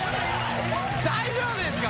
大丈夫ですか？